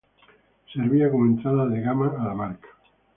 Servía como entrada de gama a la marca.